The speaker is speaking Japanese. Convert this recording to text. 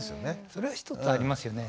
それは一つありますよね。